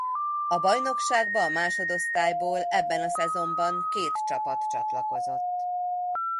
A bajnokságba a másodosztályból ebben a szezonban két csapat csatlakozott.